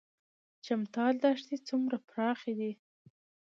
چمتال دښتې څومره پراخې دي؟